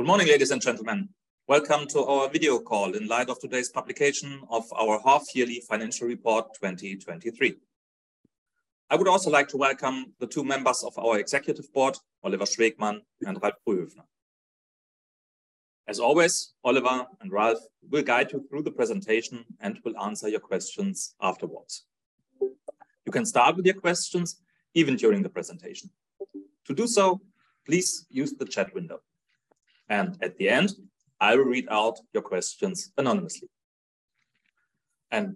Good morning, ladies and gentlemen. Welcome to our video call in light of today's publication of our half-yearly financial report, 2023. I would also like to welcome the two members of our Executive Board, Oliver Schwegmann and Ralf Brühöfner. As always, Oliver and Ralf will guide you through the presentation and will answer your questions afterwards. You can start with your questions even during the presentation. To do so, please use the chat window, and at the end, I will read out your questions anonymously.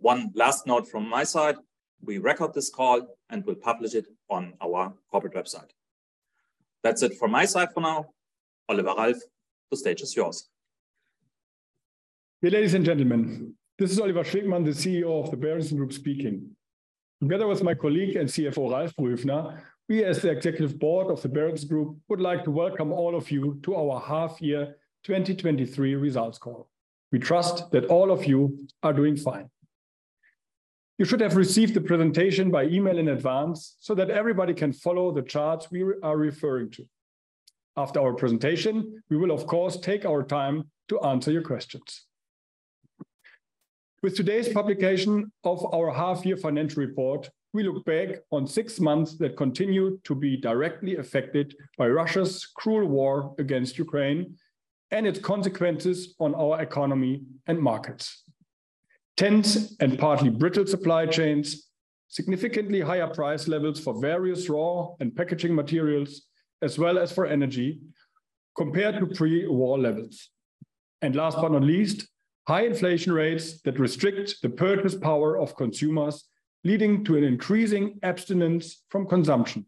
One last note from my side: we record this call and will publish it on our corporate website. That's it from my side for now. Oliver, Ralf, the stage is yours. Ladies and gentlemen, this is Oliver Schwegmann, the CEO of the Berentzen Group, speaking. Together with my colleague and CFO, Ralf Brühöfner, we, as the executive board of the Berentzen Group, would like to welcome all of you to our half-year 2023 results call. We trust that all of you are doing fine. You should have received the presentation by email in advance so that everybody can follow the charts we are referring to. After our presentation, we will, of course, take our time to answer your questions. With today's publication of our half-year financial report, we look back on six months that continued to be directly affected by Russia's cruel war against Ukraine and its consequences on our economy and markets. Tense and partly brittle supply chains, significantly higher price levels for various raw and packaging materials, as well as for energy compared to pre-war levels, last but not least, high inflation rates that restrict the purchase power of consumers, leading to an increasing abstinence from consumption.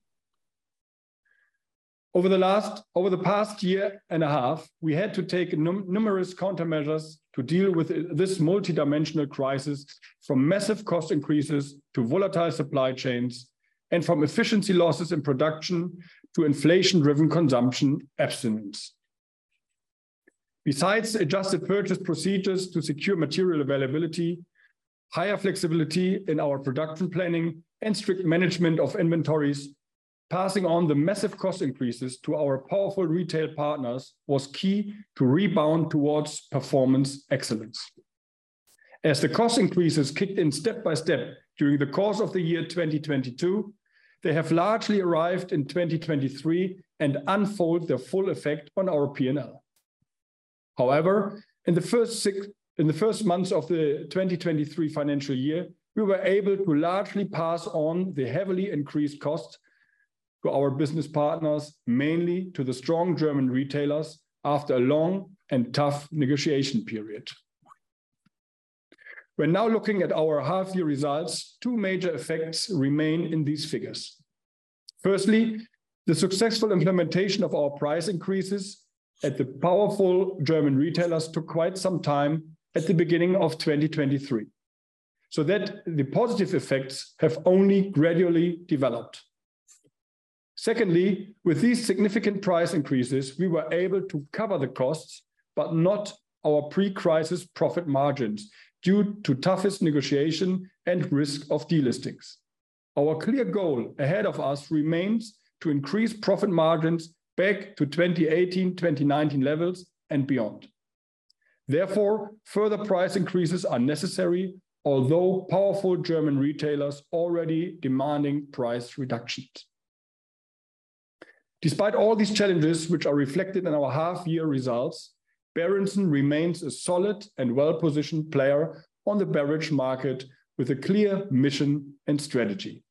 Over the past year and a half, we had to take numerous countermeasures to deal with this multidimensional crisis, from massive cost increases to volatile supply chains and from efficiency losses in production to inflation-driven consumption abstinence. Besides adjusted purchase procedures to secure material availability, higher flexibility in our production planning, and strict management of inventories, passing on the massive cost increases to our powerful retail partners was key to rebound towards performance excellence. As the cost increases kicked in step by step during the course of the year 2022, they have largely arrived in 2023 and unfold their full effect on our P&L. In the first months of the 2023 financial year, we were able to largely pass on the heavily increased costs to our business partners, mainly to the strong German retailers, after a long and tough negotiation period. Now looking at our half-year results, two major effects remain in these figures. Firstly, the successful implementation of our price increases at the powerful German retailers took quite some time at the beginning of 2023, so that the positive effects have only gradually developed. Secondly, with these significant price increases, we were able to cover the costs, but not our pre-crisis profit margins, due to toughest negotiation and risk of delistings. Our clear goal ahead of us remains to increase profit margins back to 2018, 2019 levels and beyond. Therefore, further price increases are necessary, although powerful German retailers already demanding price reductions. Despite all these challenges, which are reflected in our half-year results, Berentzen remains a solid and well-positioned player on the beverage market with a clear mission and strategy.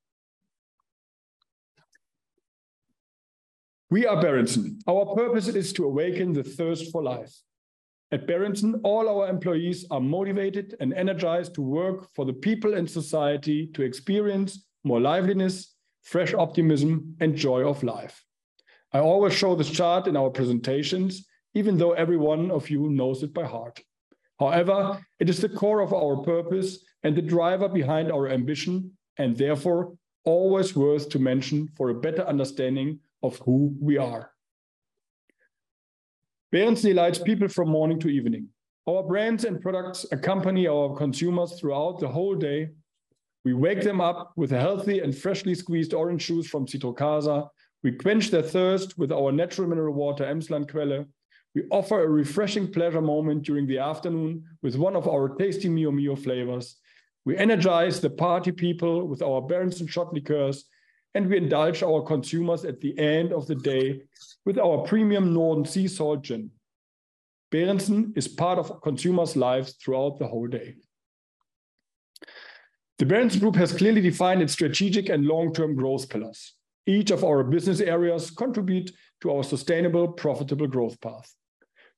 We are Berentzen. Our purpose is to awaken the thirst for life. At Berentzen, all our employees are motivated and energized to work for the people and society to experience more liveliness, fresh optimism, and joy of life. I always show this chart in our presentations, even though every one of you knows it by heart. However, it is the core of our purpose and the driver behind our ambition, and therefore always worth to mention for a better understanding of who we are. Berentzen enlights people from morning to evening. Our brands and products accompany our consumers throughout the whole day. We wake them up with a healthy and freshly squeezed orange juice from Citrocasa. We quench their thirst with our natural mineral water, Emsland-Quelle. We offer a refreshing pleasure moment during the afternoon with one of our tasty Mio Mio flavors. We energize the party people with our Berentzen shot liqueurs, and we indulge our consumers at the end of the day with our premium Norden Sea Salt Gin. Berentzen is part of consumers' lives throughout the whole day. The Berentzen-Gruppe has clearly defined its strategic and long-term growth pillars. Each of our business areas contribute to our sustainable, profitable growth path.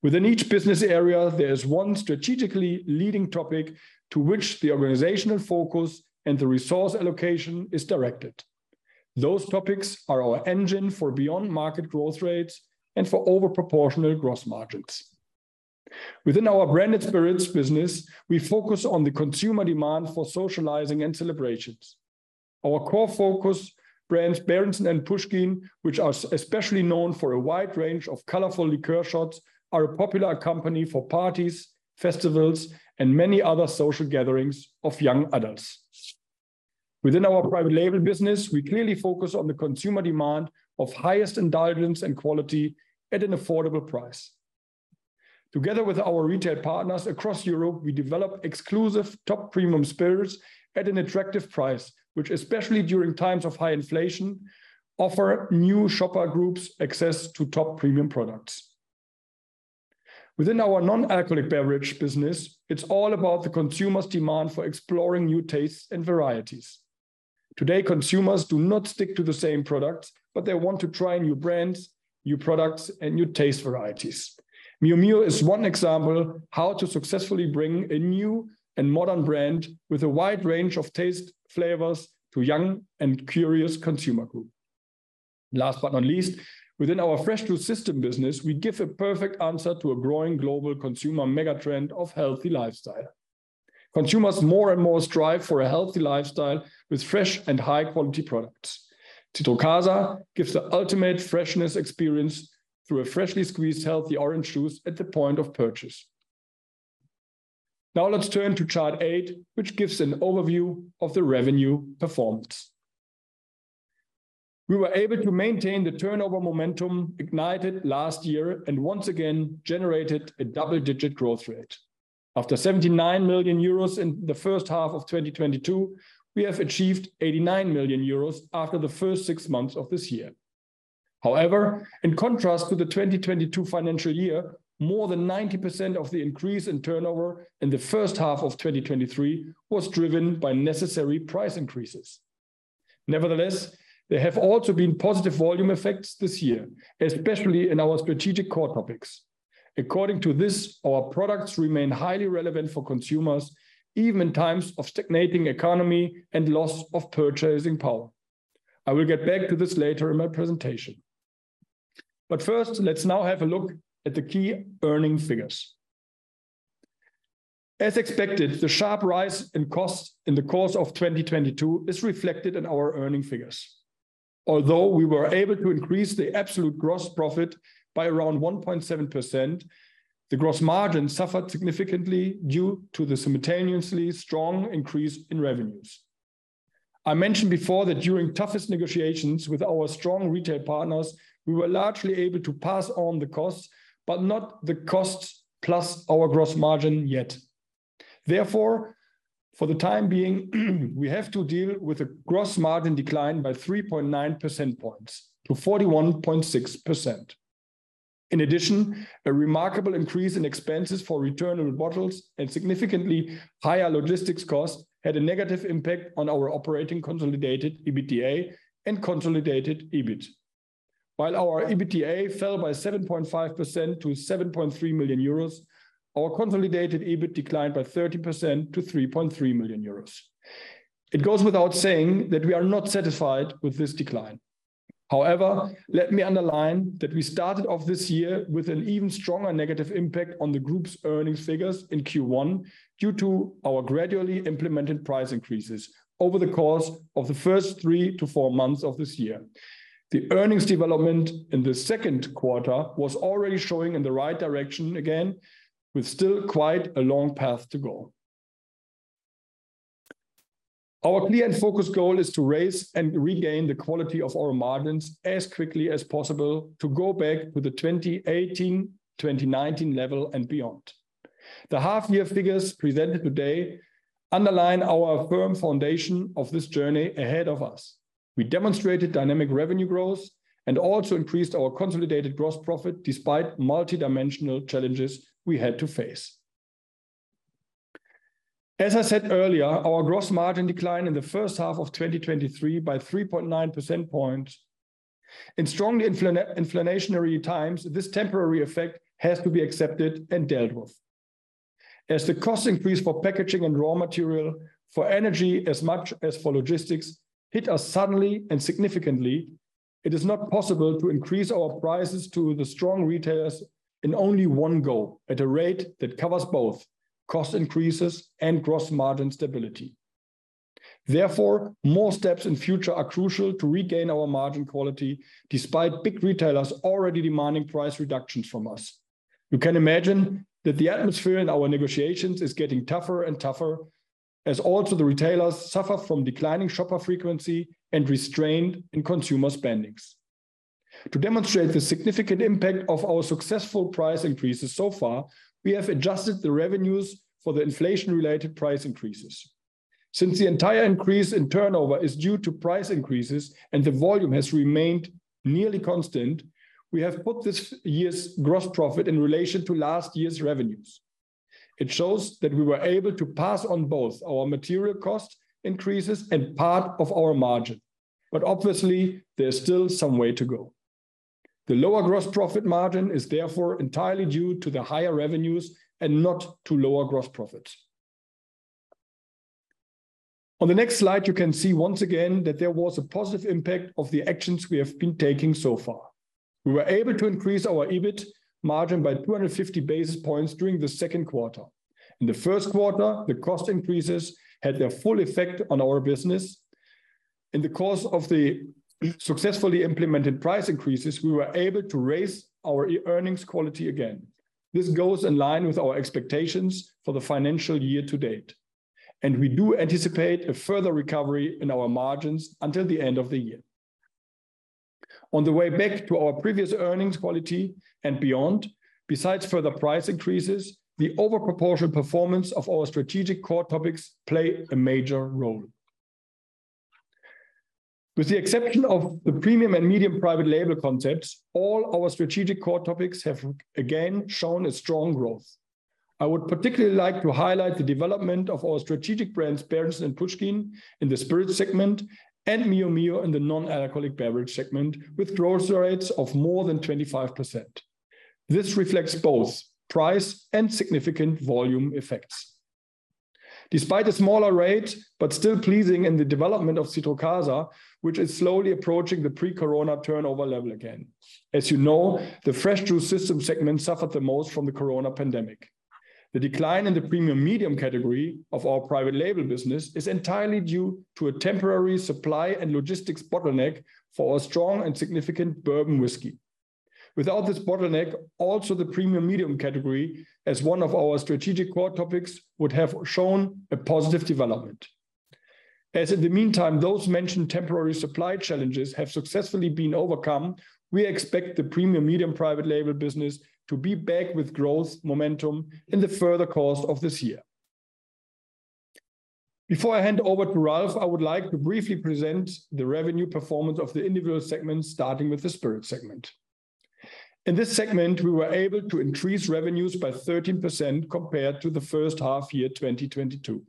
Within each business area, there is one strategically leading topic to which the organizational focus and the resource allocation is directed. Those topics are our engine for beyond market growth rates and for over proportional gross margins. Within our branded spirits business, we focus on the consumer demand for socializing and celebrations. Our core focus brands, Berentzen and Puschkin, which are especially known for a wide range of colorful liqueur shots, are a popular accompany for parties, festivals, and many other social gatherings of young adults. Within our private label business, we clearly focus on the consumer demand of highest indulgence and quality at an affordable price. Together with our retail partners across Europe, we develop exclusive top premium spirits at an attractive price, which especially during times of high inflation, offer new shopper groups access to top premium products. Within our non-alcoholic beverage business, it's all about the consumer's demand for exploring new tastes and varieties. Today, consumers do not stick to the same products, but they want to try new brands, new products, and new taste varieties. Mio Mio is one example how to successfully bring a new and modern brand with a wide range of taste flavors to young and curious consumer group. Last not least, within our fresh juice system business, we give a perfect answer to a growing global consumer mega trend of healthy lifestyle. Consumers more and more strive for a healthy lifestyle with fresh and high-quality products. Citrocasa gives the ultimate freshness experience through a freshly squeezed healthy orange juice at the point of purchase. Now let's turn to chart eight, which gives an overview of the revenue performance. We were able to maintain the turnover momentum ignited last year, and once again generated a double-digit growth rate. After 79 million euros in the first half of 2022, we have achieved 89 million euros after the first six months of this year. In contrast to the 2022 financial year, more than 90% of the increase in turnover in the first half of 2023 was driven by necessary price increases. Nevertheless, there have also been positive volume effects this year, especially in our strategic core topics. According to this, our products remain highly relevant for consumers, even in times of stagnating economy and loss of purchasing power. I will get back to this later in my presentation. First, let's now have a look at the key earning figures. As expected, the sharp rise in costs in the course of 2022 is reflected in our earning figures. Although we were able to increase the absolute gross profit by around 1.7%, the gross margin suffered significantly due to the simultaneously strong increase in revenues. I mentioned before that during toughest negotiations with our strong retail partners, we were largely able to pass on the costs, but not the costs plus our gross margin yet. Therefore, for the time being, we have to deal with a gross margin decline by 3.9 percent points to 41.6%. In addition, a remarkable increase in expenses for returnable bottles and significantly higher logistics costs had a negative impact on our operating consolidated EBITDA and consolidated EBIT. While our EBITDA fell by 7.5% to 7.3 million euros, our consolidated EBIT declined by 30% to 3.3 million euros. It goes without saying that we are not satisfied with this decline. Let me underline that we started off this year with an even stronger negative impact on the group's earnings figures in Q1, due to our gradually implemented price increases over the course of the first three to four months of this year. The earnings development in the second quarter was already showing in the right direction again, with still quite a long path to go. Our clear and focused goal is to raise and regain the quality of our margins as quickly as possible to go back to the 2018, 2019 level and beyond. The half year figures presented today underline our firm foundation of this journey ahead of us. We demonstrated dynamic revenue growth and also increased our consolidated gross profit despite multidimensional challenges we had to face. As I said earlier, our gross margin declined in the first half of 2023 by 3.9 percentage points. In strongly inflationary times, this temporary effect has to be accepted and dealt with. As the cost increase for packaging and raw material, for energy, as much as for logistics, hit us suddenly and significantly, it is not possible to increase our prices to the strong retailers in only one go at a rate that covers both cost increases and gross margin stability. Therefore, more steps in future are crucial to regain our margin quality, despite big retailers already demanding price reductions from us. You can imagine that the atmosphere in our negotiations is getting tougher and tougher, as also the retailers suffer from declining shopper frequency and restraint in consumer spendings. To demonstrate the significant impact of our successful price increases so far, we have adjusted the revenues for the inflation-related price increases. Since the entire increase in turnover is due to price increases and the volume has remained nearly constant, we have put this year's gross profit in relation to last year's revenues. It shows that we were able to pass on both our material cost increases and part of our margin, but obviously, there's still some way to go. The lower gross profit margin is therefore entirely due to the higher revenues and not to lower gross profits. On the next slide, you can see once again that there was a positive impact of the actions we have been taking so far. We were able to increase our EBIT margin by 250 basis points during the second quarter. In the first quarter, the cost increases had their full effect on our business. In the course of the successfully implemented price increases, we were able to raise our earnings quality again. This goes in line with our expectations for the financial year to date, and we do anticipate a further recovery in our margins until the end of the year. On the way back to our previous earnings quality and beyond, besides further price increases, the over-proportional performance of our strategic core topics play a major role. With the exception of the premium and medium private label concepts, all our strategic core topics have, again, shown a strong growth. I would particularly like to highlight the development of our strategic brands, Berentzen and Puschkin, in the spirits segment, and Mio Mio in the non-alcoholic beverage segment, with growth rates of more than 25%. This reflects both price and significant volume effects. Despite a smaller rate, but still pleasing in the development of Citrocasa, which is slowly approaching the pre-corona turnover level again. As you know, the fresh juice system segment suffered the most from the corona pandemic. The decline in the premium medium category of our private label business is entirely due to a temporary supply and logistics bottleneck for our strong and significant Bourbon whiskey. Without this bottleneck, also, the premium medium category, as one of our strategic core topics, would have shown a positive development. In the meantime, those mentioned temporary supply challenges have successfully been overcome, we expect the premium medium private label business to be back with growth momentum in the further course of this year. Before I hand over to Ralf, I would like to briefly present the revenue performance of the individual segments, starting with the spirit segment. In this segment, we were able to increase revenues by 13% compared to the first half year 2022.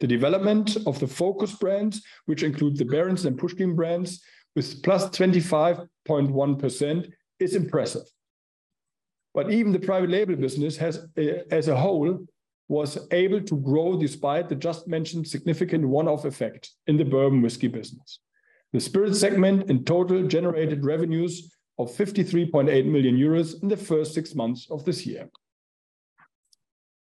The development of the focus brands, which include the Berentzen and Puschkin brands, with +25.1%, is impressive. Even the private label business has, as a whole, was able to grow, despite the just mentioned significant one-off effect in the Bourbon whiskey business. The spirit segment, in total, generated revenues of 53.8 million euros in the first six months of this year.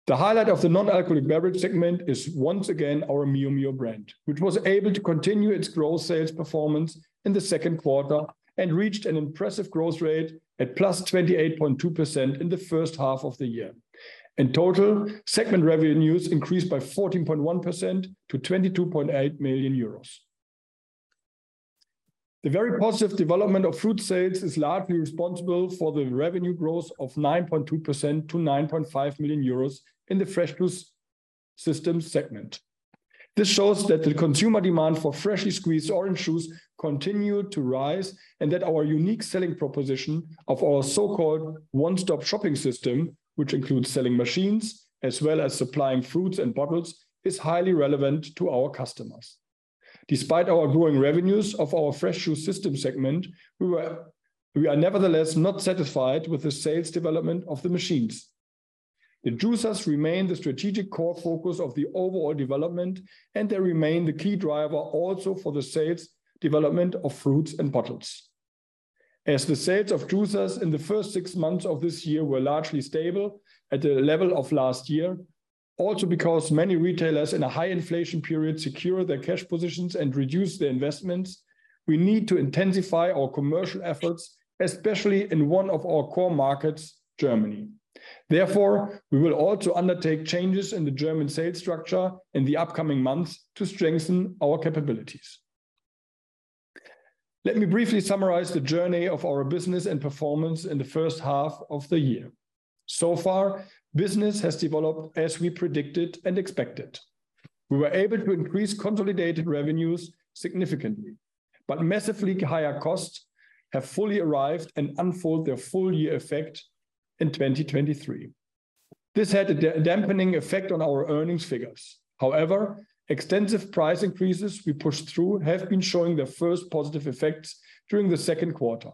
The highlight of the non-alcoholic beverage segment is once again our Mio Mio brand, which was able to continue its growth sales performance in the second quarter and reached an impressive growth rate at +28.2% in the first half of the year. In total, segment revenues increased by 14.1% to 22.8 million euros. The very positive development of fruit sales is largely responsible for the revenue growth of 9.2% to 9.5 million euros in the fresh juice systems segment. This shows that the consumer demand for freshly squeezed orange juice continued to rise, and that our unique selling proposition of our so-called one-stop shopping system, which includes selling machines as well as supplying fruits and bottles, is highly relevant to our customers. Despite our growing revenues of our fresh juice system segment, we are nevertheless not satisfied with the sales development of the machines. The juicers remain the strategic core focus of the overall development. They remain the key driver also for the sales development of fruits and bottles. As the sales of juicers in the first six months of this year were largely stable at the level of last year, also because many retailers in a high inflation period secure their cash positions and reduce their investments, we need to intensify our commercial efforts, especially in one of our core markets, Germany. Therefore, we will also undertake changes in the German sales structure in the upcoming months to strengthen our capabilities. Let me briefly summarize the journey of our business and performance in the first half of the year. Business has developed as we predicted and expected. We were able to increase consolidated revenues significantly, but massively higher costs have fully arrived and unfold their full year effect in 2023. This had a dampening effect on our earnings figures. Extensive price increases we pushed through have been showing their first positive effects during the second quarter.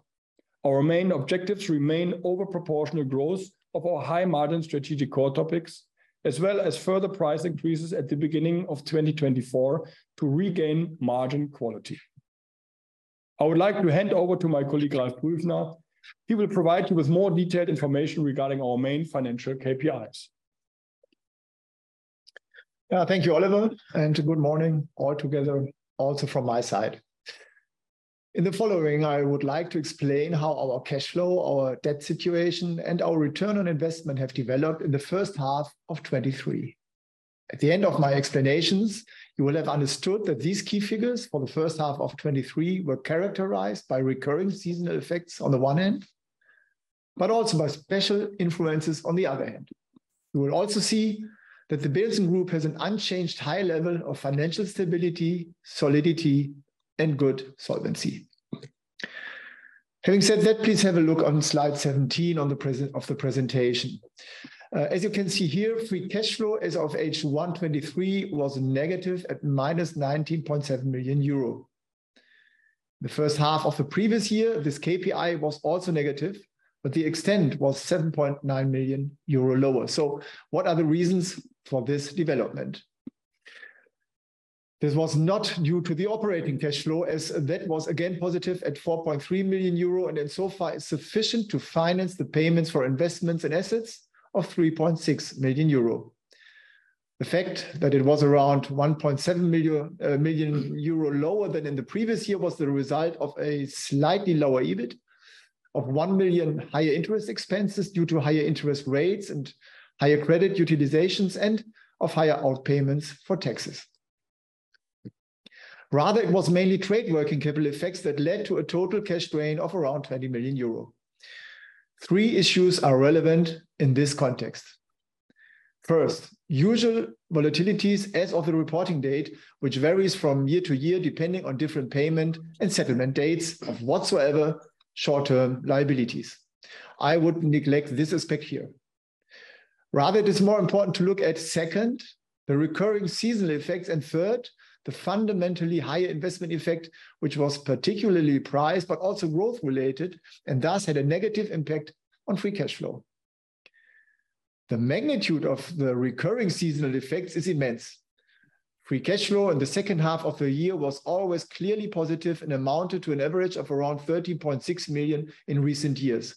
Our main objectives remain over proportional growth of our high-margin strategic core topics, as well as further price increases at the beginning of 2024 to regain margin quality. I would like to hand over to my colleague, Ralf Brühöfner, now. He will provide you with more detailed information regarding our main financial KPIs. Thank you, Oliver, good morning all together, also from my side. In the following, I would like to explain how our cash flow, our debt situation, and our return on investment have developed in the first half of 2023. At the end of my explanations, you will have understood that these key figures for the first half of 2023 were characterized by recurring seasonal effects on the one hand, but also by special influences on the other hand. You will also see that the Berentzen-Gruppe has an unchanged high level of financial stability, solidity, and good solvency. Having said that, please have a look on slide 17 of the presentation. As you can see here, free cash flow, as of H1 2023, was negative at minus 19.7 million euro. The first half of the previous year, this KPI was also negative, but the extent was 7.9 million euro lower. What are the reasons for this development? This was not due to the operating cash flow, as that was again positive at 4.3 million euro, and then so far is sufficient to finance the payments for investments and assets of 3.6 million euro. The fact that it was around 1.7 million lower than in the previous year was the result of a slightly lower EBIT of 1 million, higher interest expenses due to higher interest rates and higher credit utilizations, and of higher outpayments for taxes. It was mainly trade working capital effects that led to a total cash drain of around 20 million euro. Three issues are relevant in this context. First, usual volatilities as of the reporting date, which varies from year to year, depending on different payment and settlement dates of whatsoever short-term liabilities. I would neglect this aspect here. Rather, it is more important to look at, second, the recurring seasonal effects, and third, the fundamentally higher investment effect, which was particularly priced but also growth related, and thus had a negative impact on Free cash flow. The magnitude of the recurring seasonal effects is immense. Free cash flow in the second half of the year was always clearly positive and amounted to an average of around 13.6 million in recent years.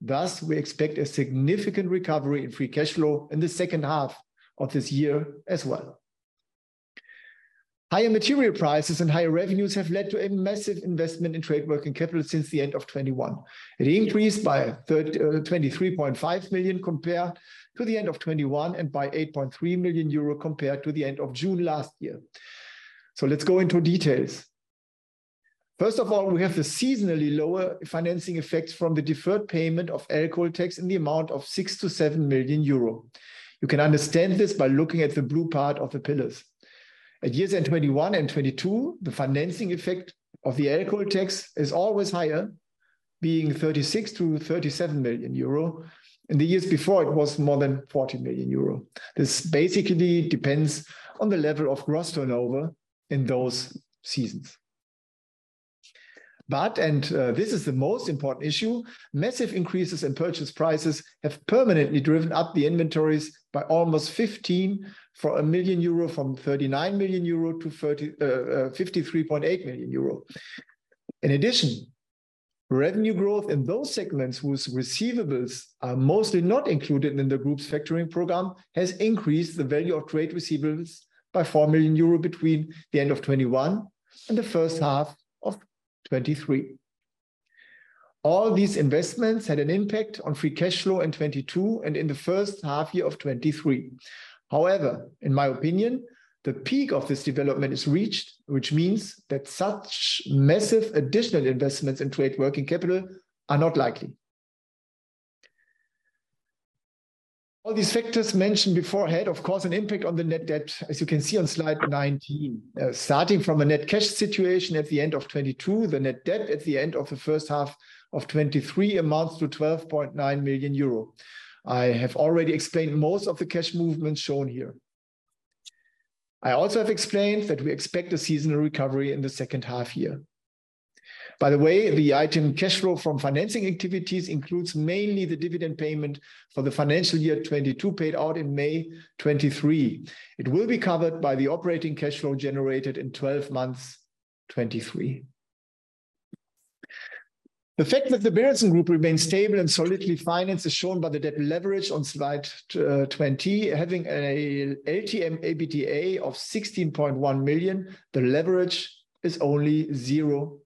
Thus, we expect a significant recovery in Free cash flow in the second half of this year as well. Higher material prices and higher revenues have led to a massive investment in trade working capital since the end of 2021. It increased by 23.5 million compared to the end of 2021, and by 8.3 million euro compared to the end of June last year. Let's go into details. First of all, we have the seasonally lower financing effects from the deferred payment of alcohol tax in the amount of 6 million-7 million euro. You can understand this by looking at the blue part of the pillars. At years end 2021 and 2022, the financing effect of the alcohol tax is always higher, being 36 million-37 million euro. In the years before, it was more than 40 million euro. This basically depends on the level of gross turnover in those seasons. This is the most important issue, massive increases in purchase prices have permanently driven up the inventories by almost 15 million euro, from 39 million euro to 53.8 million euro. In addition, revenue growth in those segments whose receivables are mostly not included in the group's factoring program, has increased the value of trade receivables by 4 million euro between the end of 2021 and the first half of 2023. All these investments had an impact on free cash flow in 2022 and in the first half year of 2023. However, in my opinion, the peak of this development is reached, which means that such massive additional investments in trade working capital are not likely. All these factors mentioned before have, of course, an impact on the net debt, as you can see on slide 19. Starting from a net cash situation at the end of 2022, the net debt at the end of the first half of 2023 amounts to 12.9 million euro. I have already explained most of the cash movements shown here. I also have explained that we expect a seasonal recovery in the second half-year. By the way, the item cash flow from financing activities includes mainly the dividend payment for the financial year 2022, paid out in May 2023. It will be covered by the operating cash flow generated in 12 months, 2023. The fact that the Berentzen-Gruppe remains stable and solidly financed is shown by the debt leverage on slide 20. Having a LTM EBITDA of 16.1 million, the leverage is only 0.8.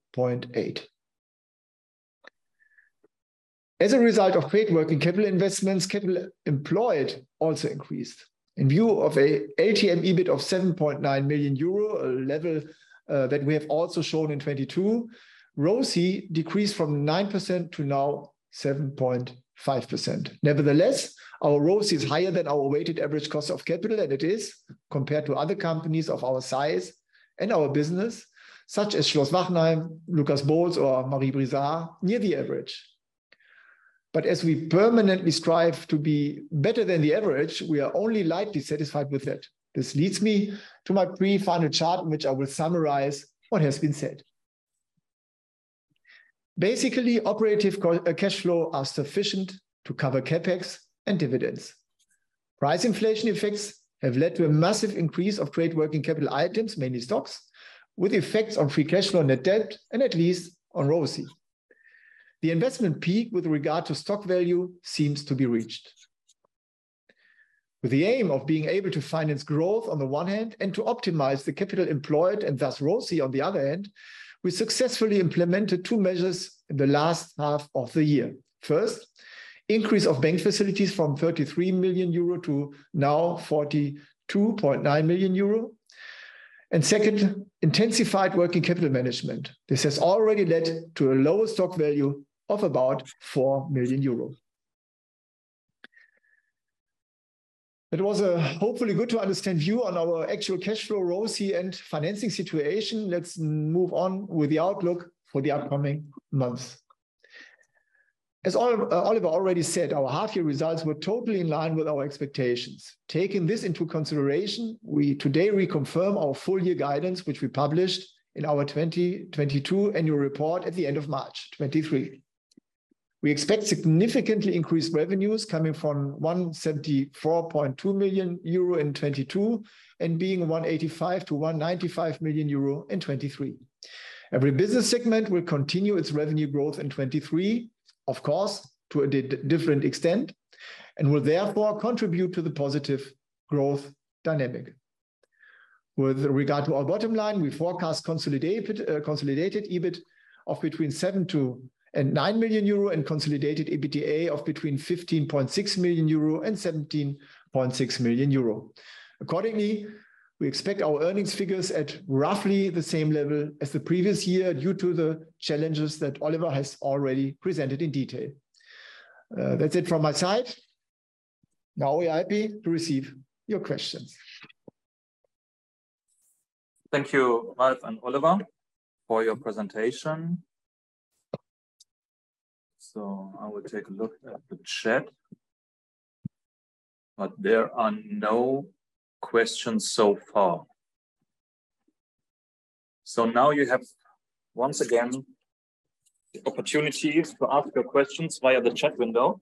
As a result of trade working capital investments, capital employed also increased. In view of a LTM EBIT of 7.9 million euro, a level that we have also shown in 2022, ROCE decreased from 9% to now 7.5%. Nevertheless, our ROCE is higher than our weighted average cost of capital, and it is, compared to other companies of our size and our business, such as Schloss Wachenheim, Lucas Bols or Marie Brizard, near the average. As we permanently strive to be better than the average, we are only lightly satisfied with it. This leads me to my pre-final chart, in which I will summarize what has been said. Basically, operative cash flow are sufficient to cover CapEx and dividends. Price inflation effects have led to a massive increase of trade working capital items, mainly stocks, with effects on free cash flow, net debt and at least on ROCE. The investment peak with regard to stock value seems to be reached. With the aim of being able to finance growth on the one hand, and to optimize the capital employed and thus ROCE on the other hand, we successfully implemented two measures in the last half of the year. First, increase of bank facilities from 33 million euro to now 42.9 million euro. Second, intensified working capital management. This has already led to a lower stock value of about 4 million euro. It was a hopefully good to understand view on our actual cash flow, ROCE and financing situation. Let's move on with the outlook for the upcoming months. As Oliver already said, our half year results were totally in line with our expectations. Taking this into consideration, we today reconfirm our full year guidance, which we published in our 2022 annual report at the end of March 2023. We expect significantly increased revenues coming from 174.2 million euro in 2022, and being 185 million-195 million euro in 2023. Every business segment will continue its revenue growth in 2023, of course, to a different extent, and will therefore contribute to the positive growth dynamic. With regard to our bottom line, we forecast consolidated EBIT of between 7 million and 9 million euro, and consolidated EBITDA of between 15.6 million euro and 17.6 million euro. Accordingly, we expect our earnings figures at roughly the same level as the previous year, due to the challenges that Oliver has already presented in detail. That's it from my side. Now we are happy to receive your questions. Thank you, Ralf and Oliver, for your presentation. I will take a look at the chat, but there are no questions so far. Now you have, once again, the opportunity to ask your questions via the chat window.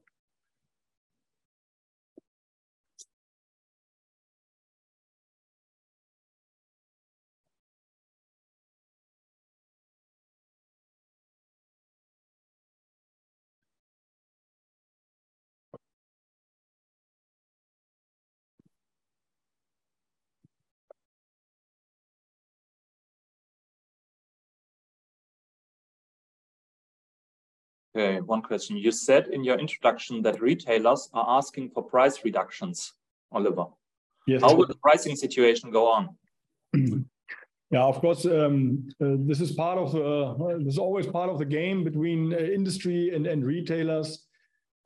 Okay, one question: You said in your introduction that retailers are asking for price reductions, Oliver. Yes. How will the pricing situation go on? Of course, this is part of the Well, this is always part of the game between industry and retailers.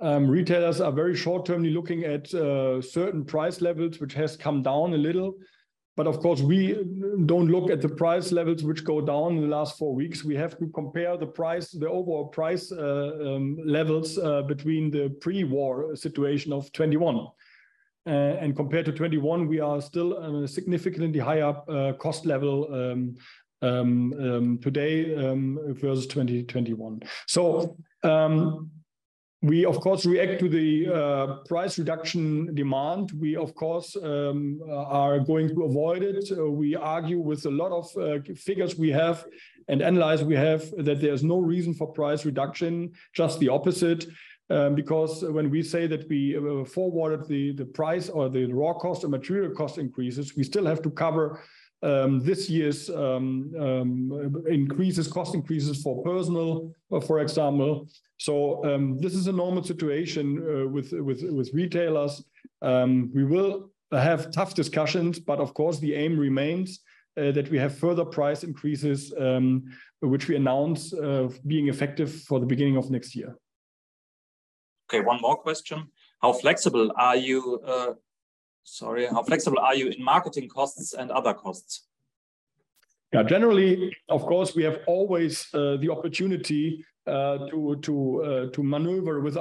Retailers are very short-termly looking at certain price levels, which has come down a little. Of course, we don't look at the price levels which go down in the last four weeks. We have to compare the price, the overall price levels between the pre-war situation of 2021. Compared to 2021, we are still on a significantly higher cost level today versus 2021. We, of course, react to the price reduction demand. We, of course, are going to avoid it. We argue with a lot of figures we have and analysis we have, that there's no reason for price reduction, just the opposite. Because when we say that we forwarded the, the price or the raw cost or material cost increases, we still have to cover this year's increases, cost increases for personnel, for example. So, this is a normal situation with, with, with retailers. We will have tough discussions, but of course, the aim remains that we have further price increases, which we announce being effective for the beginning of next year. Okay, one more question: Sorry, how flexible are you in marketing costs and other costs? Yeah. Generally, of course, we have always the opportunity to maneuver with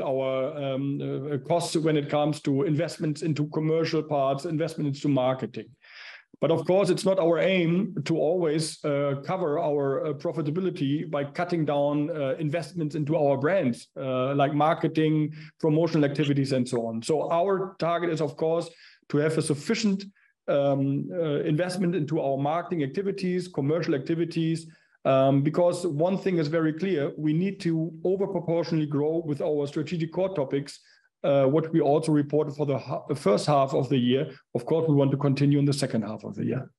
our costs when it comes to investments into commercial parts, investment into marketing. Of course, it's not our aim to always cover our profitability by cutting down investments into our brands, like marketing, promotional activities, and so on. Our target is, of course, to have a sufficient investment into our marketing activities, commercial activities. Because one thing is very clear, we need to over-proportionally grow with our strategic core topics, what we also reported for the first half of the year. Of course, we want to continue in the second half of the year.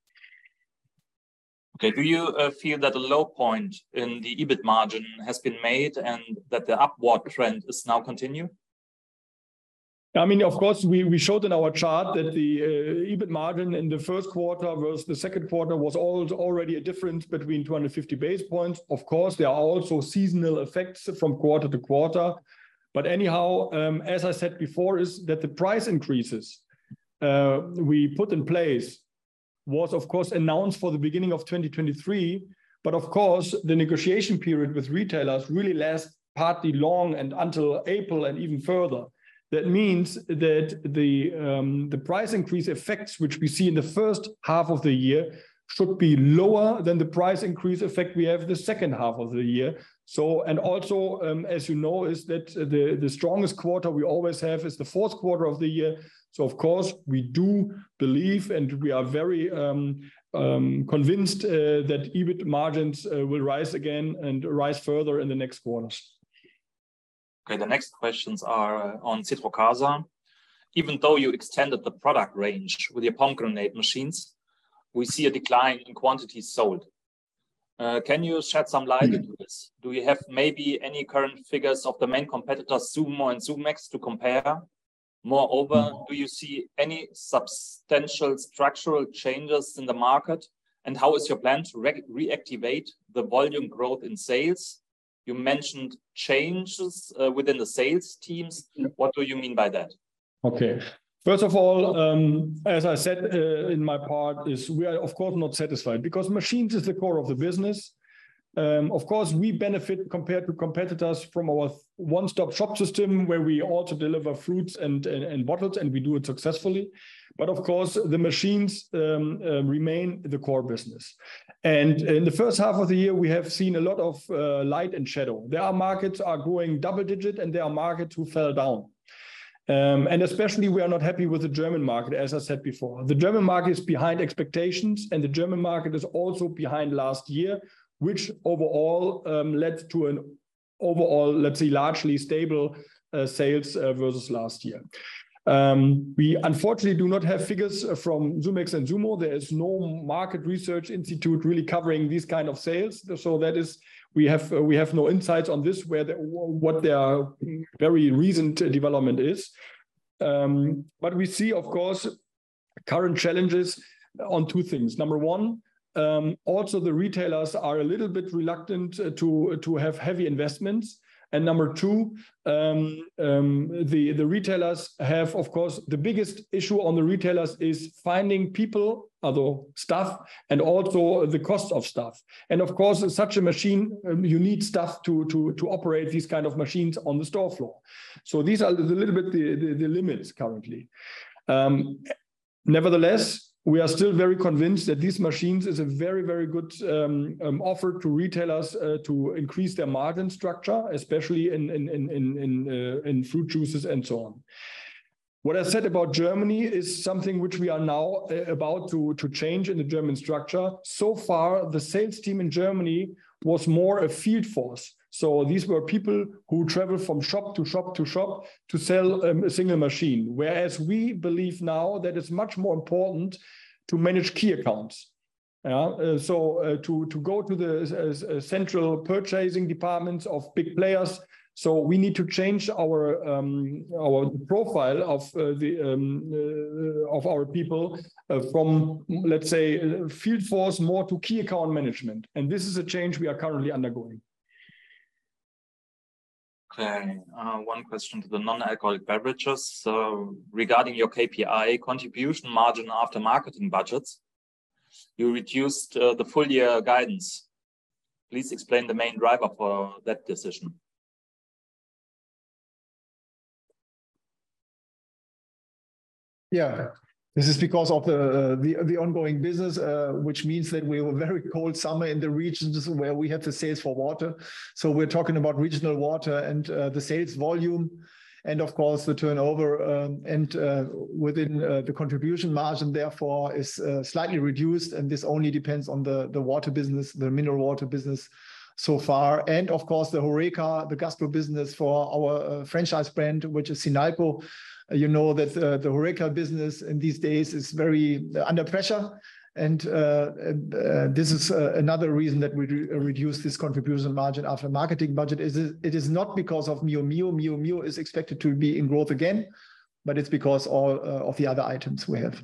Okay. Do you feel that the low point in the EBIT margin has been made and that the upward trend is now continue? I mean, of course, we, we showed in our chart that the EBIT margin in the first quarter versus the second quarter was already a difference between 250 basis points. Of course, there are also seasonal effects from quarter to quarter. Anyhow, as I said before, is that the price increases we put in place was, of course, announced for the beginning of 2023. Of course, the negotiation period with retailers really last partly long and until April, and even further. That means that the price increase effects, which we see in the first half of the year, should be lower than the price increase effect we have the second half of the year. And also, as you know, is that the strongest quarter we always have is the fourth quarter of the year. Of course, we do believe, and we are very convinced that EBIT margins will rise again and rise further in the next quarters. Okay, the next questions are on Citrocasa. Even though you extended the product range with your pomegranate deseeder, we see a decline in quantity sold. Can you shed some light into this? Mm-hmm. Do you have maybe any current figures of the main competitors, Zumo and Zumex, to compare? Moreover. Mm-hmm Do you see any substantial structural changes in the market? How is your plan to reactivate the volume growth in sales? You mentioned changes within the sales teams. Mm-hmm. What do you mean by that? Okay. First of all, as I said, in my part, is we are of course, not satisfied, because machines is the core of the business. Of course, we benefit compared to competitors from our one-stop-shop system, where we also deliver fruits and, and bottles, and we do it successfully. Of course, the machines remain the core business. In the first half of the year, we have seen a lot of light and shadow. There are markets are growing double-digit, and there are markets who fell down. Especially we are not happy with the German market, as I said before. The German market is behind expectations, the German market is also behind last year, which overall, led to an overall, let's say, largely stable, sales versus last year. We unfortunately do not have figures from Zumex and Zumo. There is no market research institute really covering these kind of sales. That is, we have, we have no insights on this, what their very recent development is. We see, of course, current challenges on two things. Number one, also the retailers are a little bit reluctant to have heavy investments. Number two, the retailers have, of course. The biggest issue on the retailers is finding people, other staff, and also the cost of staff. Of course, in such a machine, you need staff to operate these kind of machines on the store floor. These are the little bit the limits currently. Nevertheless, we are still very convinced that these machines is a very, very good offer to retailers to increase their margin structure, especially in fruit juices and so on. What I said about Germany is something which we are now about to change in the German structure. The sales team in Germany was more a field force. These were people who travel from shop to shop to shop to sell a single machine. We believe now that it's much more important to manage key accounts. To, to go to the central purchasing departments of big players, so we need to change our profile of the of our people from, let's say, field force, more to key account management, and this is a change we are currently undergoing. Okay, one question to the non-alcoholic beverages. Regarding your KPI contribution margin after marketing budgets, you reduced the full year guidance. Please explain the main driver for that decision. Yeah. This is because of the, the, the ongoing business, which means that we were very cold summer in the regions where we had the sales for water. We're talking about regional water and the sales volume, and of course, the turnover. Within the contribution margin, therefore, is slightly reduced, and this only depends on the water business, the mineral water business so far. Of course, the HoReCa, the gastro business for our franchise brand, which is Sinalco. You know, that the HoReCa business in these days is very under pressure, this is another reason that we re-reduce this contribution margin after marketing budget. It is not because of Mio Mio. Mio Mio is expected to be in growth again, but it's because all of the other items we have.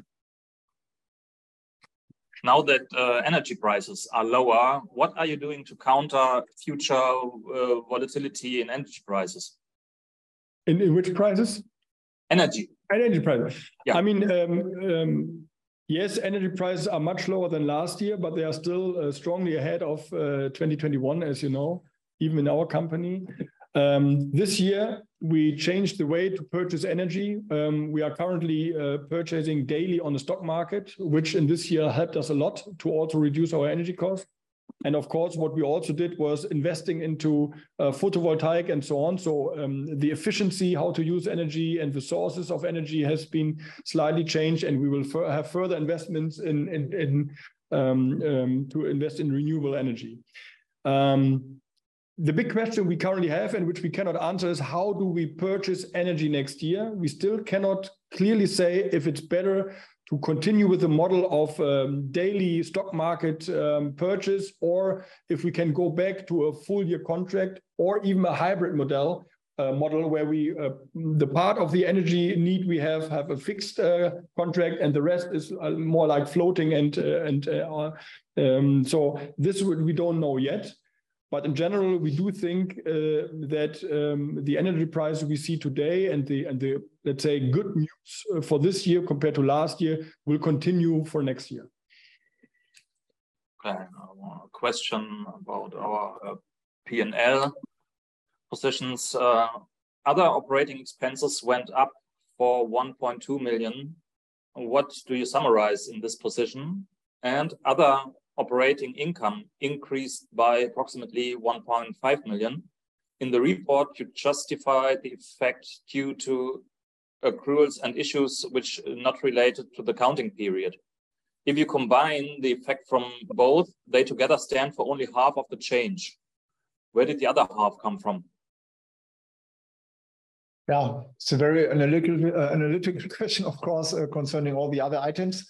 Now that energy prices are lower, what are you doing to counter future volatility in energy prices? In, in which prices? Energy. Energy prices. Yeah. I mean, yes, energy prices are much lower than last year, but they are still strongly ahead of 2021, as you know, even in our company. This year, we changed the way to purchase energy. We are currently purchasing daily on the stock market, which in this year helped us a lot to also reduce our energy costs. Of course, what we also did was investing into photovoltaic and so on. The efficiency, how to use energy, and the sources of energy has been slightly changed, and we will have further investments to invest in renewable energy. The big question we currently have, and which we cannot answer, is: how do we purchase energy next year? We still cannot clearly say if it's better to continue with the model of daily stock market purchase, or if we can go back to a full year contract or even a hybrid model, model, where we, the part of the energy need we have, have a fixed contract, and the rest is more like floating. This one, we don't know yet. In general, we do think that the energy price we see today and the, and the, let's say, good news for this year compared to last year, will continue for next year. Okay. One question about our P&L positions. Other operating expenses went up for 1.2 million. What do you summarize in this position? Other operating income increased by approximately 1.5 million. In the report, you justify the effect due to accruals and issues which are not related to the accounting period. If you combine the effect from both, they together stand for only half of the change. Where did the other half come from? Yeah, it's a very analytical, analytical question, of course, concerning all the other items,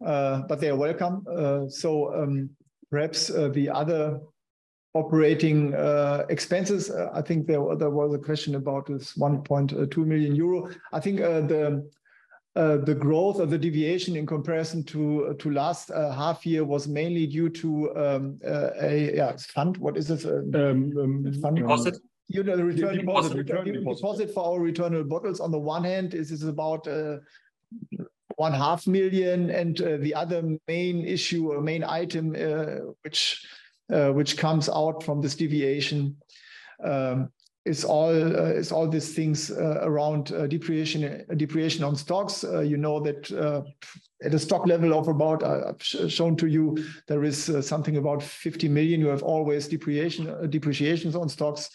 but they are welcome. Perhaps the other operating expenses, I think there was a question about this 1.2 million euro. I think the growth or the deviation in comparison to last half year was mainly due to a, yeah, fund. What is this funding- Deposit. You know, the return. Deposit, return deposit Deposit for our return of bottles. On the one hand, this is about 500,000, and the other main issue or main item which comes out from this deviation is all these things around depreciation, depreciation on stocks. You know that at a stock level of about I've shown to you, there is something about 50 million. You have always depreciation, depreciations on stocks.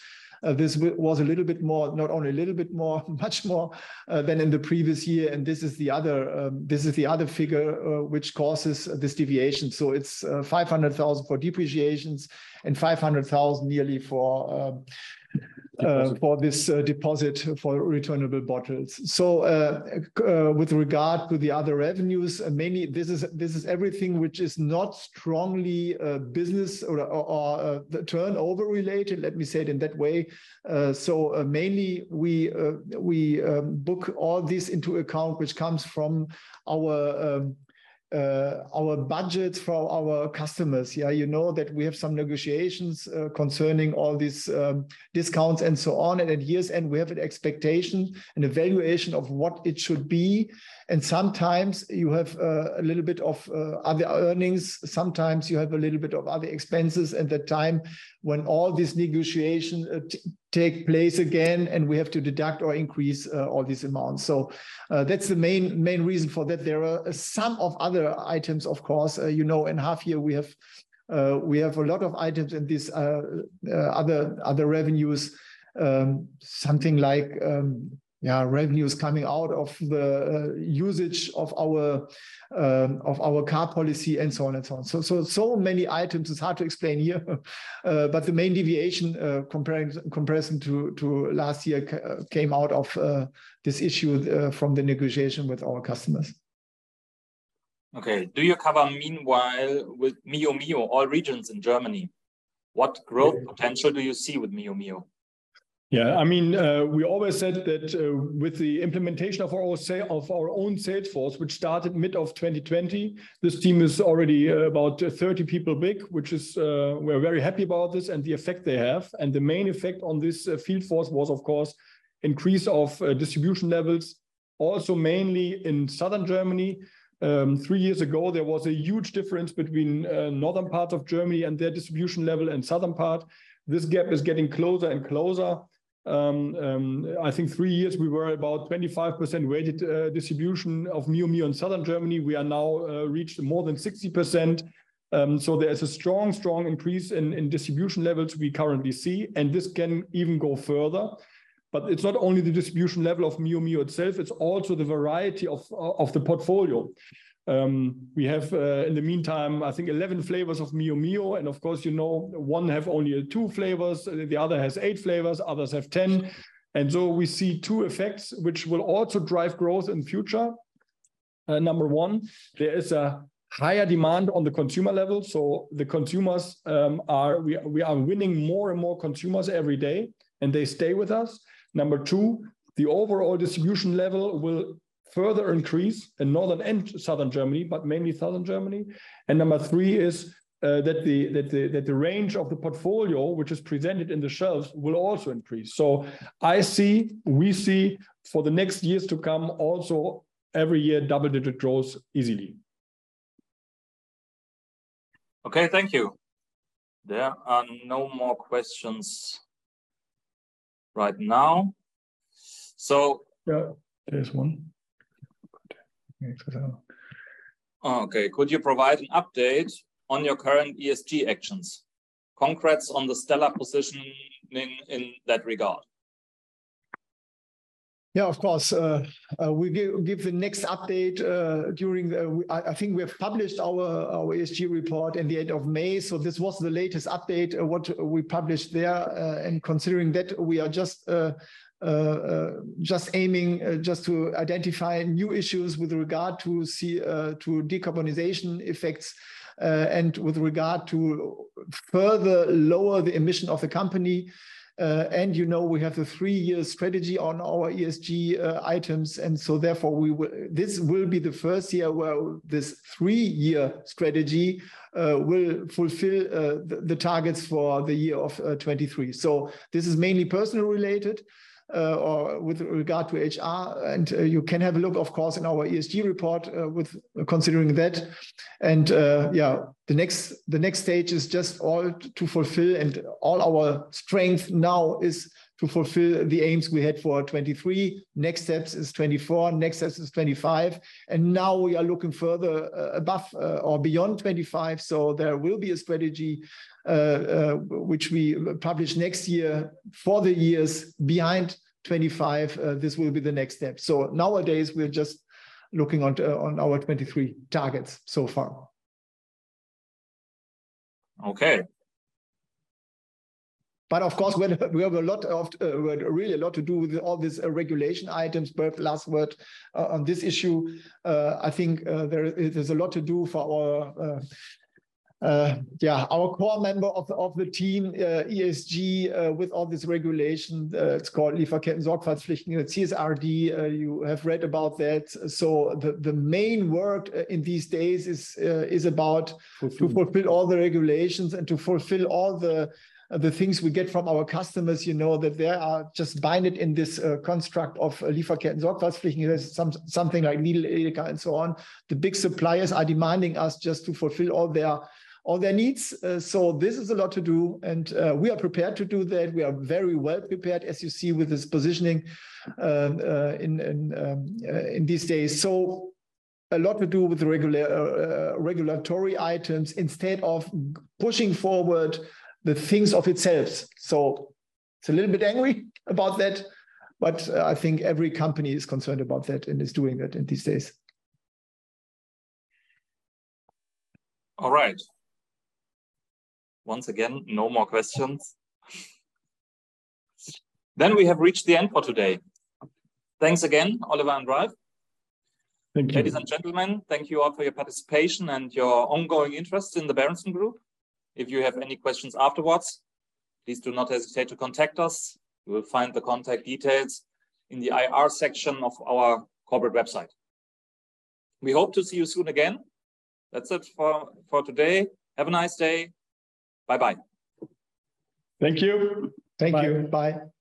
This was a little bit more, not only a little bit more, much more than in the previous year, and this is the other this is the other figure which causes this deviation. So it's 500,000 for depreciations and 500,000 yearly for- For this deposit for returnable bottles. With regard to the other revenues, mainly this is, this is everything which is not strongly business or, or, or, turnover related, let me say it in that way. Mainly we, we book all this into account, which comes from our, our budgets for our customers. Yeah, you know that we have some negotiations concerning all these discounts and so on. And at years end, we have an expectation, an valuation of what it should be, and sometimes you have a little bit of other earnings, sometimes you have a little bit of other expenses at the time when all this negotiation take place again, and we have to deduct or increase all these amounts. That's the main, main reason for that. There are some of other items, of course. You know, in half year we have, we have a lot of items in this, other, other revenues. Something like, yeah, revenues coming out of the usage of our of our car policy, and so on, and so on. Many items, it's hard to explain here, but the main deviation, comparison to last year came out of this issue, from the negotiation with our customers. Okay. Do you cover meanwhile with Mio Mio, all regions in Germany? What growth- Yeah Potential do you see with Mio Mio? Yeah, I mean, we always said that with the implementation of our sale of our own sales force, which started mid of 2020, this team is already about 30 people big, which is we're very happy about this and the effect they have. The main effect on this field force was, of course, increase of distribution levels, also mainly in Southern Germany. three years ago, there was a huge difference between Northern part of Germany and their distribution level and Southern part. This gap is getting closer and closer. I think three years we were about 25% weighted distribution of Mio Mio in Southern Germany. We are now reached more than 60%. So there is a strong, strong increase in distribution levels we currently see, and this can even go further. It's not only the distribution level of Mio Mio itself, it's also the variety of the portfolio. We have, in the meantime, I think, 11 flavors of Mio Mio, and of course, you know, one have only two flavors, the other has eight flavors, others have 10. So we see two effects, which will also drive growth in future. Number one, there is a higher demand on the consumer level, so the consumers are. We are winning more and more consumers every day, and they stay with us. Number two, the overall distribution level will further increase in Northern and Southern Germany, but mainly Southern Germany. Number three is that the range of the portfolio, which is presented in the shelves, will also increase. I see, we see, for the next years to come, also every year, double-digit growth easily. Okay, thank you. There are no more questions right now. Yeah, there's one. Oh, okay. Could you provide an update on your current ESG actions? Concretes on the stellar position in that regard. Yeah, of course. We give, give the next update during the I, I think we have published our ESG report in the end of May. This was the latest update what we published there. Considering that, we are just just aiming just to identify new issues with regard to to decarbonization effects and with regard to further lower the emission of the company. You know, we have a three year strategy on our ESG items, and so therefore, we will this will be the first year where this three year strategy will fulfill the targets for the year of 2023. This is mainly personal related or with regard to HR, you can have a look, of course, in our ESG report with considering that. Yeah, the next, the next stage is just all to fulfill, and all our strength now is to fulfill the aims we had for 2023. Next steps is 2024, next steps is 2025, and now we are looking further, above, or beyond 2025. There will be a strategy, which we publish next year for the years behind 2025. This will be the next step. Nowadays, we're just looking on our 2023 targets so far. Okay. Of course, we have, we have a lot of, really a lot to do with all these regulation items. Last word, on this issue, I think, there, there's a lot to do for our, yeah, our core member of the, of the team, ESG, with all this regulation, it's called Lieferkettensorgfaltspflichtengesetz, CSRD, you have read about that. The, the main work, in these days is, is about. Fulfill To fulfill all the regulations and to fulfill all the things we get from our customers. You know, that they are just bind it in this construct of Lieferkettensorgfaltspflichtengesetz. There's something like Niedergelassene and so on. The big suppliers are demanding us just to fulfill all their, all their needs. This is a lot to do, and we are prepared to do that. We are very well prepared, as you see, with this positioning in these days. A lot to do with the regulatory items instead of pushing forward the things of itself. It's a little bit angry about that, I think every company is concerned about that and is doing it in these days. All right. Once again, no more questions. We have reached the end for today. Thanks again, Oliver and Ralf. Thank you. Ladies and gentlemen, thank you all for your participation and your ongoing interest in the Berentzen-Gruppe AG. If you have any questions afterwards, please do not hesitate to contact us. You will find the contact details in the IR section of our corporate website. We hope to see you soon again. That's it for today. Have a nice day. Bye bye. Thank you. Bye. Thank you. Bye.